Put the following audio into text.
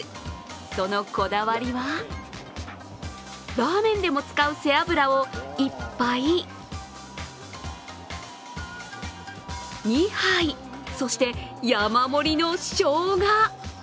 そのこだわりはラーメンでも使う背脂を１杯、２杯、そして、山盛りのショウガ。